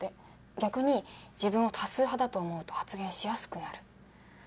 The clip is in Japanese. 逆に自分を多数派だと思うと発言しやすくなる。